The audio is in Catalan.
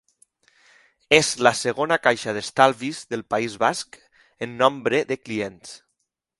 És la segona caixa d'estalvis del País Basc en nombre de clients.